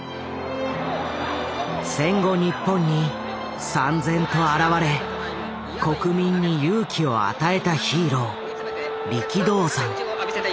戦後日本にさん然と現れ国民に勇気を与えたヒーロー力道山。